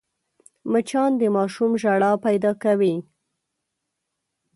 مچان د ماشوم ژړا پیدا کوي